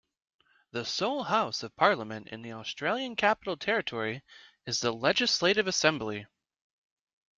The sole house of parliament in the Australian Capital Territory is the legislative assembly.